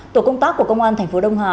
tổ công tác của công an tp đông hà